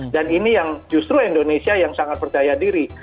dan ini yang justru indonesia yang sangat percaya diri